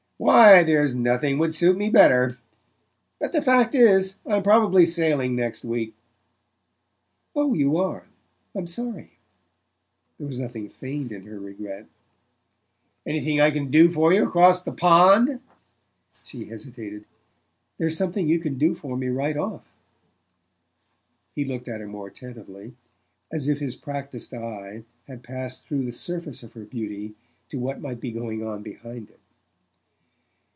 "Why, there's nothing would suit me better; but the fact is, I'm probably sailing next week." "Oh, are you? I'm sorry." There was nothing feigned in her regret. "Anything I can do for you across the pond?" She hesitated. "There's something you can do for me right off." He looked at her more attentively, as if his practised eve had passed through the surface of her beauty to what might be going on behind it.